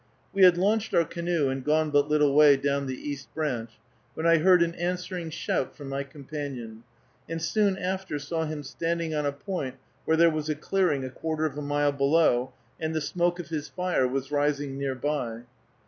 We had launched our canoe and gone but little way down the East Branch, when I heard an answering shout from my companion, and soon after saw him standing on a point where there was a clearing a quarter of a mile below, and the smoke of his fire was rising near by.